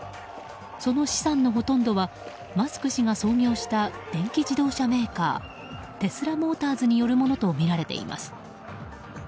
その資産のほとんどはマスク氏が創業した電気自動車メーカーテスラ・モーターズによるものとみられています。